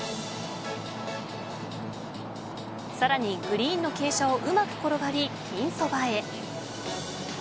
さらにグリーンの傾斜をうまく転がり、ピンそばへ。